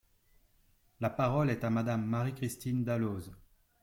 La parole est à Madame Marie-Christine Dalloz.